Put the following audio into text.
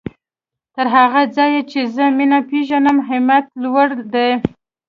تر هغه ځايه چې زه مينه پېژنم همت يې لوړ دی.